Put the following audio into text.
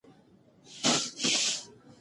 دوی له کلونو راهیسې د پښتو ژبې پر وړاندې